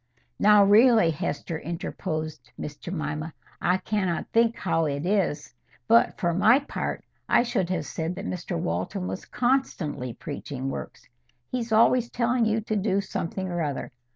"Now, really, Hester," interposed Miss Jemima, "I cannot think how it is, but, for my part, I should have said that Mr Walton was constantly preaching works. He's always telling you to do something or other.